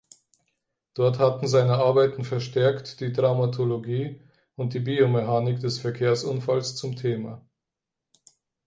Dort hatten seine Arbeiten verstärkt die Traumatologie und die Biomechanik des Verkehrsunfalls zum Thema.